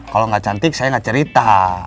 kalau gak cantik saya gak cerita